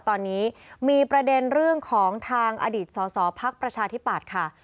ตอนนี้มีประเด็นเรื่องของทางอดีตสอสอพักประชาธิปัตย์ค่ะ